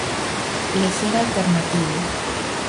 Lecer alternativo.